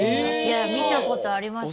いや見たことありますよ。